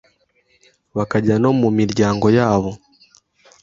bakajya no mu miryango yabo